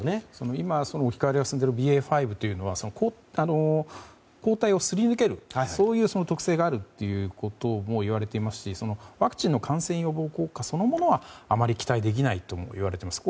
今、置き換わりが進んでいるＢＡ．５というのは抗体をすり抜けるそういう特性があることもいわれていますしワクチンの感染予防効果そのものはあまり期待できないといわれています。